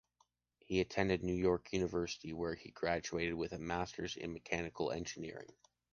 He attended Ney York university where he graduated with a Master in mechanical engineering.